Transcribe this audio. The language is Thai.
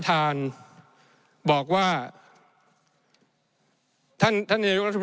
ในช่วงที่สุดในรอบ๑๖ปี